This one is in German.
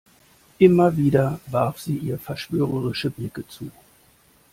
Immer wieder warf sie ihr verschwörerische Blicke zu.